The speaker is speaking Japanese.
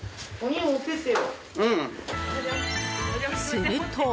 すると。